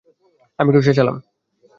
আমি একটু চেঁচালাম।